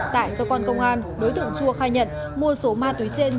tại cơ quan công an đối tượng chua khai nhận mua số ma túy trên